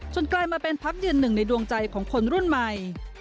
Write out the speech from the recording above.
กลายมาเป็นพักยืนหนึ่งในดวงใจของคนรุ่นใหม่